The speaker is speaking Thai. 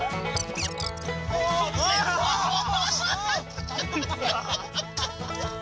เฮ่ย